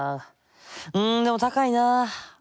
んでも高いな。